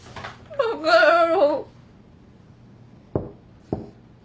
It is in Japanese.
バカ野郎。